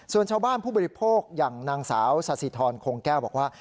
ส่วนชาวบ้านผู้บริโภคอย่างนางสาวสาธิธรคงแก้วบอกว่า